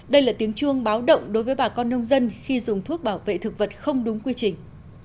đây là tiếng chuông báo động đối với bà con nông dân khi dùng thuốc bảo vệ thực vật không đúng quy trình